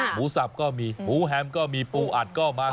สับก็มีหมูแฮมก็มีปูอัดก็มา